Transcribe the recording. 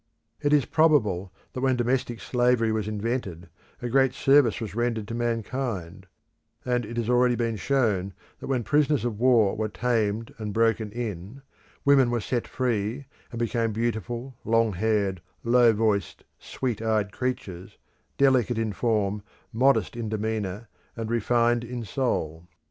It is probable that when domestic slavery was invented, a great service was rendered to mankind, and it has already been shown that when prisoners of war were tamed and broken in, women were set free, and became beautiful, long haired, low voiced, sweet eyed creatures, delicate in form, modest in demeanour, and refined in soul.